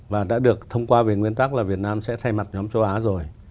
và đã được thông qua về nguyên tắc là việt nam sẽ thay mặt nhóm châu á rồi